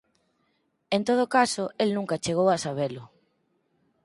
En todo caso, el nunca chegou a sabelo.